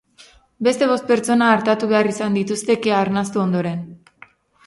Beste bost pertsona artatu behar izan dituzte kea arnastu ondoren.